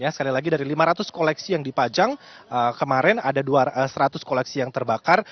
sekali lagi dari lima ratus koleksi yang dipajang kemarin ada seratus koleksi yang terbakar